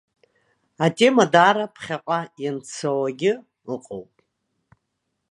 Атема даара ԥхьаҟа ианцауагьы ыҟоуп.